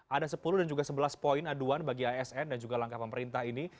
ada sepuluh dan juga sebelas poin aduan bagi asn dan juga langkah pemerintah ini